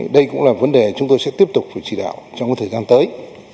đây cũng là vấn đề chúng tôi sẽ tiếp tục phải chỉ đạo trong thời gian tới